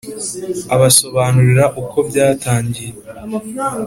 abasobanurira uko byatangiye.